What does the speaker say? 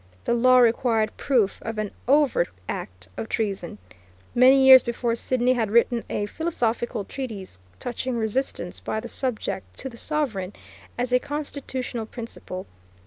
The law required proof of an overt act of treason. Many years before Sidney had written a philosophical treatise touching resistance by the subject to the sovereign, as a constitutional principle.